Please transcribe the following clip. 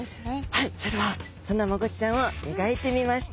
はいそれではそんなマゴチちゃんを描いてみました。